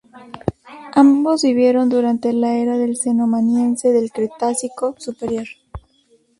Ambos vivieron durante la era del Cenomaniense del Cretácico Superior.